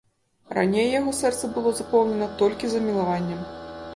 Раней яго сэрца было запоўнена толькі замілаваннем.